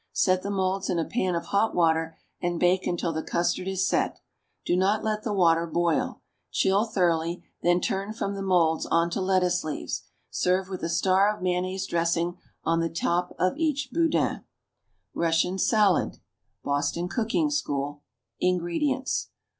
Set the moulds in a pan of hot water and bake until the custard is set. Do not let the water boil. Chill thoroughly, then turn from the moulds on to lettuce leaves. Serve with a star of mayonnaise dressing on the top of each boudin. =Russian Salad.= (BOSTON COOKING SCHOOL.) INGREDIENTS.